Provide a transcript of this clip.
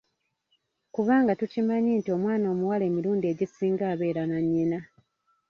Kubanga tukimanyi nti omwana omuwala emirundi egisinga abeera nannyina.